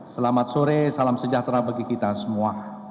selamat sore salam sejahtera bagi kita semua